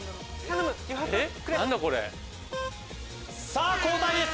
さぁ交代です！